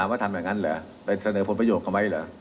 ว่าทำอย่างนั้นเหรอไปเสนอผลประโยชน์เขาไหมเหรอ